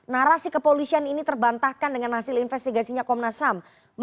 narasi kepolisian ini terbantahkan dengan hasil investigasinya komnas ham